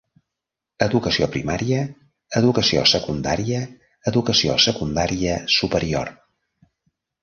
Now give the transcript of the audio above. Educació primària, educació secundària, educació secundària superior.